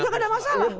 tidak ada masalah